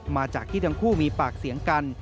มาจากที่ทั้งคู่มีปากเสียงกัน